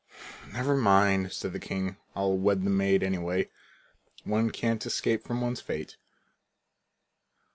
"Never mind," said the king. "I'll wed the maid anyway. One can't escape from one's fate."